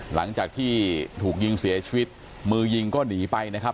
หลังจากที่ถูกยิงเสียชีวิตมือยิงก็หนีไปนะครับ